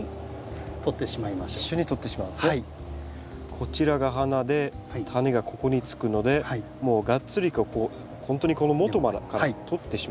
こちらが花で種がここにつくのでもうがっつりほんとにこのもとから取ってしまうということですね。